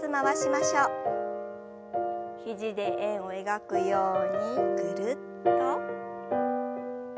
肘で円を描くようにぐるっと。